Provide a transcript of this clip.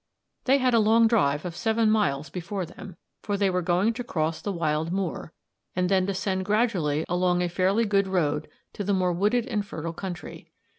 They had a long drive of seven miles before them, for they were going to cross the wild moor, and then descend gradually along a fairly good road to the more wooded and fertile country.